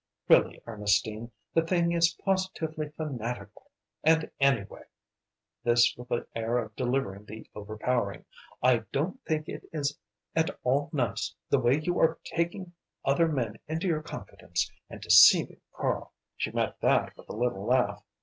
Really, Ernestine, the thing is positively fanatical. And anyway," this with the air of delivering the overpowering "I don't think it is at all nice the way you are taking other men into your confidence and deceiving Karl." She met that with a little laugh.